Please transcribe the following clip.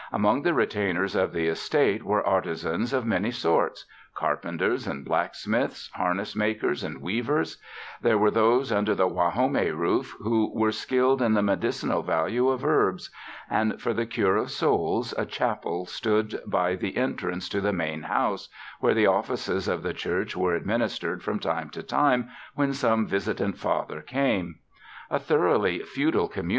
Among the retainers of the estate were artisans of many sorts — carpenters, and blacksmiths, harness makers and weavers ; there were those under the Guajome roof who were skilled in the medicinal value of herbs; and for the cure of souls, a chapel stood by the en trance to the main house, where the offices of the church were administered from time to time when some visitant father came. A thoroughly feudal comi.